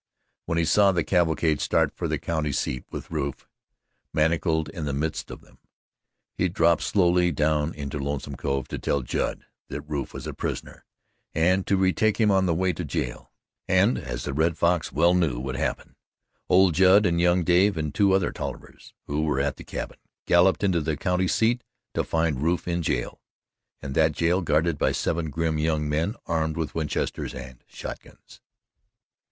When he saw the cavalcade start for the county seat with Rufe manacled in the midst of them, he dropped swiftly down into Lonesome Cove to tell Judd that Rufe was a prisoner and to retake him on the way to jail. And, as the Red Fox well knew would happen, old Judd and young Dave and two other Tollivers who were at the cabin galloped into the county seat to find Rufe in jail, and that jail guarded by seven grim young men armed with Winchesters and shot guns.